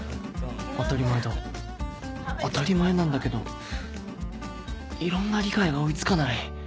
当たり前だ当たり前なんだけどいろんな理解が追い付かない